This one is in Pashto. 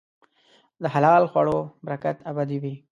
د حلال خوړو برکت ابدي وي.